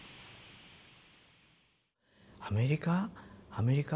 アメリカ？